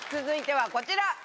続いてはこちら！